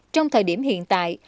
trong thời điểm hiện tại